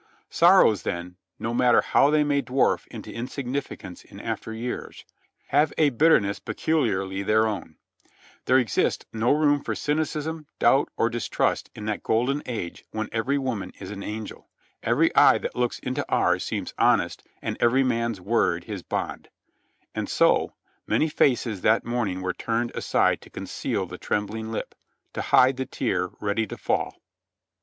Sorrows then, no matter how they may dwarf into insignificance in after years, have a bitterness peculiarly their own ; there exists no room for cynicism, doubt or distrust in that golden age when ever) woman is an angel; even, eye that looks into ours seems honest and every man's word his bond; and so, many faces that morning were turned aside to conceal the trembling lip — to hide the tear ready to fall.